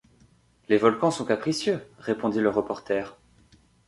Les volcans sont capricieux! répondit le reporter.